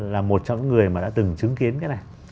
là một trong những người mà đã từng chứng kiến cái này